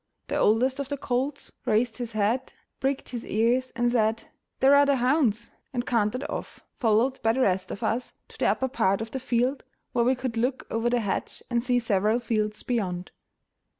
The oldest of the colts raised his head, pricked his ears, and said, "There are the hounds!" and cantered off, followed by the rest of us, to the upper part of the field, where we could look over the hedge and see several fields beyond.